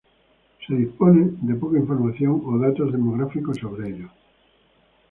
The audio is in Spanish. Se dispone de poca información o datos demográficos sobre ellos.